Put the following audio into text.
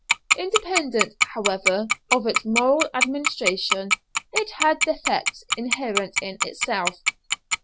Independent, however, of its moral administration, it had defects inherent in itself.